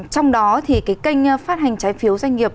trong đó thì cái kênh phát hành trái phiếu doanh nghiệp